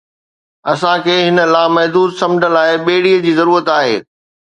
اسان کي هن لامحدود سمنڊ لاءِ ٻيڙيءَ جي ضرورت آهي